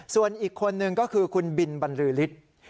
ส่วนอีกคนนึงก็คือคุณบิลบันรือริฐ